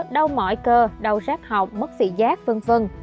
đau mỏi cơ đau rác học mất vị giác v v